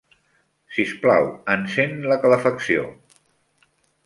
Sisplau, encén la calefacció.